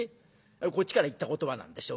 こっちからいった言葉なんでしょうね。